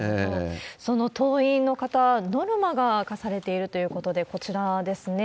その党員の方、ノルマが課されているということで、こちらですね。